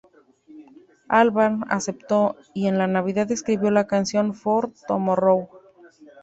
Albarn aceptó, y en Navidad escribió la canción "For Tomorrow".